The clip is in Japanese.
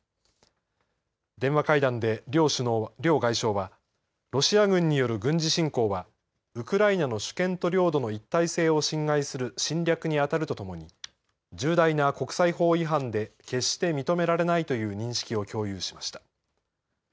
電話会談で両外相はロシア軍による軍事侵攻はウクライナの主権と領土の一体性を侵害する侵略にあたるとともに重大な国際法違反で決して認められないという認識を共有しました。